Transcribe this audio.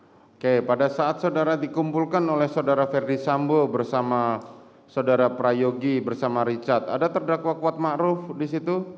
oke pada saat soedara dikumpulkan oleh soedara verdi sambo bersama soedara prayogi bersama richard ada terdakwa kuat makruf disitu